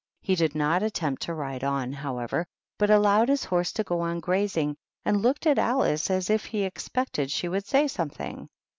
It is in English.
He did not attempt to ride on, however, but allowed his horse to go on grazing, and looked at Alice as if he expected she would say something.